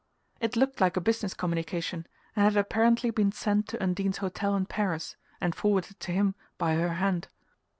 It looked like a business communication and had apparently been sent to Undine's hotel in Paris and forwarded to him by her hand.